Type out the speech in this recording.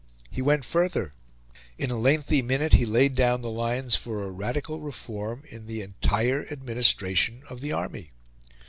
He went further: in a lengthy minute he laid down the lines for a radical reform in the entire administration of the army.